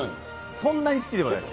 そんなに好きでもないです。